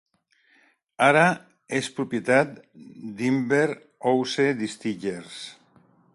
Ara és propietat d'Inver House Distillers.